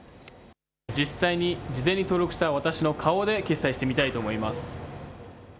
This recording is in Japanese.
実際に事前に登録した私の顔で決済してみたいと思います。